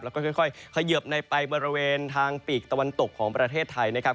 แล้วก็ค่อยเขยิบในไปบริเวณทางปีกตะวันตกของประเทศไทยนะครับ